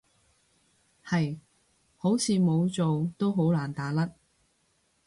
係，好似冇做都好難打甩